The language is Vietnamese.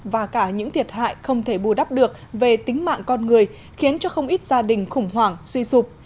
và cả những thiệt hại không thể bù đắp được về tính mạng con người khiến cho không ít gia đình khủng hoảng suy sụp